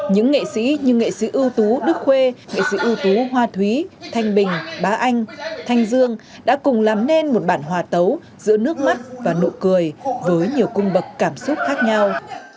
những nghệ sĩ như nghệ sĩ ưu tú đức khuê nghệ sĩ ưu tú hoa thúy thanh bình bá anh thanh dương đã cùng làm nên một bản hòa tấu giữa nước mắt và nụ cười với nhiều cung bậc cảm xúc khác nhau